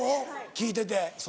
聞いてて。